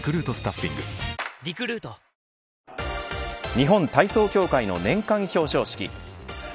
日本体操協会の年間表彰式。